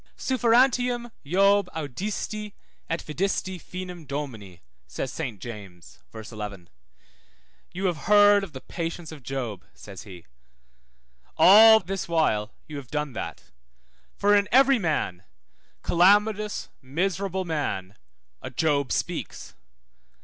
Sufferentiam Job audiisti, et vidisti finem Domini, says Saint James (v. 11), You have heard of the patience of Job, says he: all this while you have done that, for in every man, calamitous, miserable man, a Job speaks.